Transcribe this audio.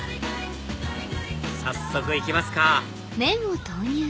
早速いきますか！